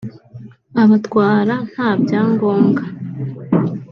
abatwara nta byangombwa